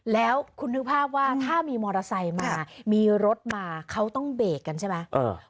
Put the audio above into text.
แล้วคุณนึกภาพว่าถ้ามีมอเตอร์ไซค์มามีรถมาเขาต้องเบรกกันใช่ไหม